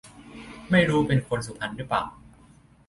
ไม่รู้เป็นคนสุพรรณรึเปล่า